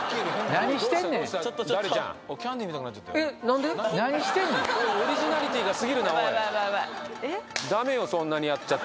何してんねんオリジナリティーがすぎるなおいえっ？